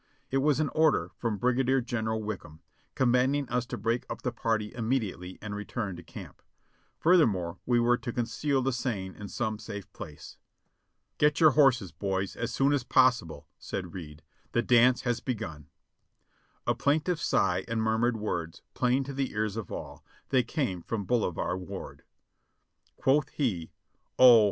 It was an order from Brigadier General Wickham, commanding us to break up the party immediately and return to camp. Futhermore, we were to conceal the seine in some safe place. "Get your horses, boys, as soon as possible," said Reid ; "the dance has begun." A plaintive sigh and murmured words, plain to the ears of all ; they came from Bolivar Ward. Quoth he: "Oh!